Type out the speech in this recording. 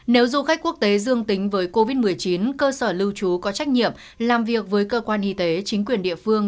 nếu du khách quốc tế dương tính với covid một mươi chín cơ sở lưu trú có trách nhiệm làm việc với cơ quan y tế chính quyền địa phương